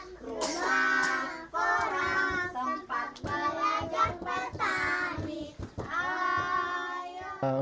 apa itu rumah korang rumah korang tempat belajar petani